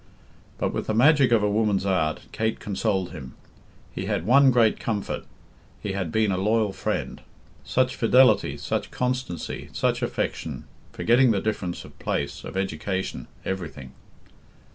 But, with the magic of a woman's art, Kate consoled him. He had one great comfort he had been a loyal friend; such fidelity, such constancy, such affection, forgetting the difference of place, of education everything.